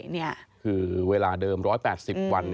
นี่คือเวลาเดิม๑๘๐วัน